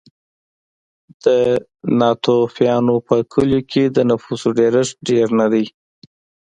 د ناتوفیانو په کلیو کې د نفوسو ډېرښت ډېر نه دی.